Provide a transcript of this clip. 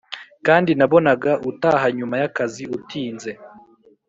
kandi nabonaga utaha nyuma yakazi utinze